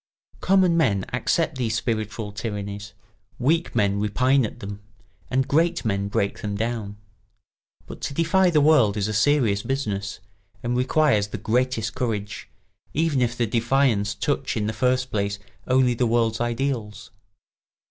] Common men accept these spiritual tyrannies, weak men repine at them, and great men break them down. But to defy the world is a serious business, and requires the greatest courage, even if the defiance touch in the first place only the world's ideals.